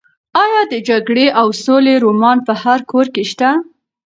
ایا د جګړې او سولې رومان په هر کور کې شته؟